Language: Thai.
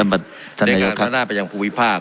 เดินการระดาบไปอย่างภูมิภาก